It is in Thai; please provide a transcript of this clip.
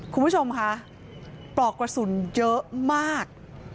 คุณผู้ชมคะปลอกกระสุนเยอะมาก